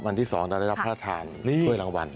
วันที่สองเราได้รับมาราธารทลวยรางวัล